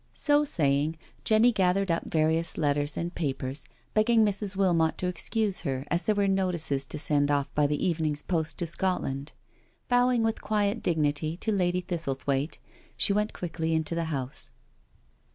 So saying Jenny gathered up various letters and papers, begging Mrs. Wilmot to excuse her AT THE WEEK END COTTAGE 167 as there were notices to send off by the evenmg's post to Scotland. Bowing with quiet dignity to Lady Thistlethwaite, she went quickly into the house.